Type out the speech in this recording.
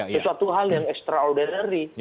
sesuatu hal yang extraordinary